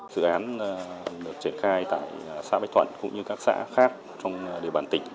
dự án được triển khai tại xã bích thuận cũng như các xã khác trong địa bàn tỉnh